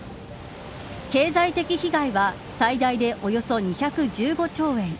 経済的被害は最大でおよそ２１５兆円。